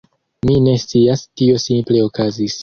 Mi ne scias, tio simple okazis.